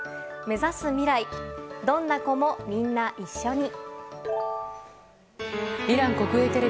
目指す未来、どんな子もみんな一緒に。